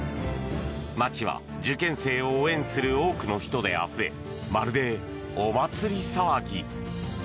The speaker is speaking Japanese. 街は受験生を応援する多くの人であふれまるで、お祭り騒ぎ。